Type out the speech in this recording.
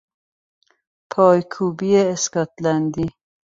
پایکوبی اسکاتلندی